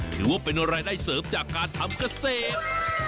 ถือว่าเป็นรายได้เสริมจากการทำเกษตร